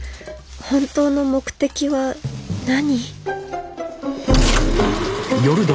本当の目的は何？